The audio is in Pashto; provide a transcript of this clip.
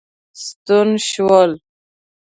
ستون شول.